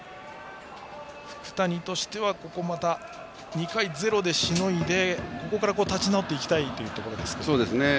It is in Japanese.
福谷としては２回をゼロでしのいでここから立ち直っていきたいところですね。